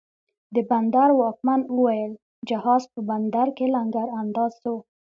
د بندر واکمن اوویل، جهاز په بندر کې لنګر انداز سو